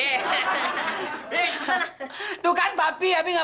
bikin lu enak banget